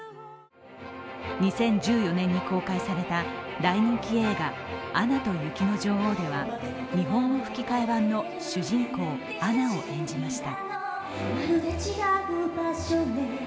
２０１４年に公開された大人気映画「アナと雪の女王」では日本語吹き替え版の主人公・アナを演じました。